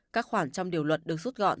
các khoản trong điều luật được xuất pháp